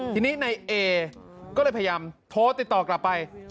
ทีนี้ในเอก็เลยพยายามโทรติดต่อกลับไป